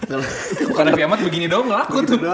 bukan raffi ahmad begini doang laku tuh